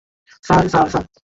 Sir, sir, sir!